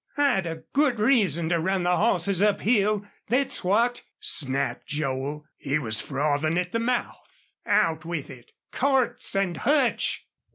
"I'd a good reason to run the hosses up hill thet's what!" snapped Joel. He was frothing at the mouth. "Out with it!" "Cordts an' Hutch!"